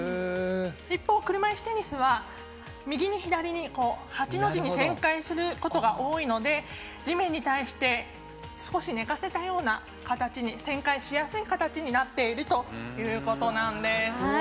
一方、車いすテニスは、右に左に八の字に旋回することが多いので地面に対し少し寝かせたような形に旋回しやすい形になっているということなんです。